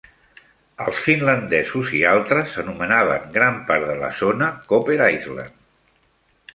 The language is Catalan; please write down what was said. Els finlandesos i altres anomenaven gran part de la zona Copper Island.